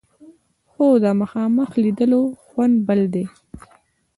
خو د مخامخ لیدلو خوند بل دی.